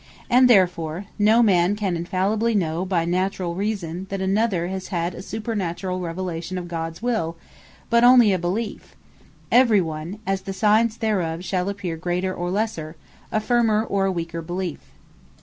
And therefore no man can infallibly know by naturall reason, that another has had a supernaturall revelation of Gods will; but only a beliefe; every one (as the signs thereof shall appear greater, or lesser) a firmer, or a weaker belief.